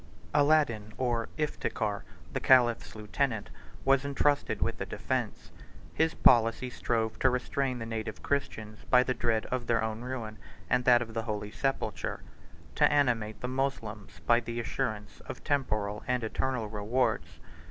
Aladin, or Iftikhar, the caliph's lieutenant, was intrusted with the defence: his policy strove to restrain the native Christians by the dread of their own ruin and that of the holy sepulchre; to animate the Moslems by the assurance of temporal and eternal rewards.